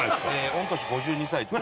御年５２歳。